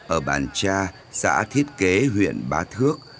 ở bàn cha xã thiết kế huyện ba thước